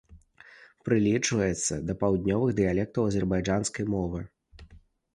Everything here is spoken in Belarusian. Прылічаецца да паўднёвых дыялектаў азербайджанскай мовы.